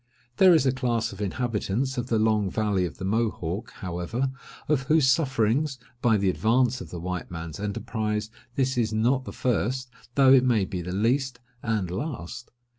There is a class of inhabitants of the long valley of the Mohawk, however, of whose sufferings, by the advance of the white man's enterprise, this is not the first, though it may be the least, and last.